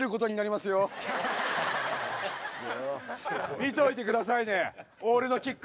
見ておいてくださいね！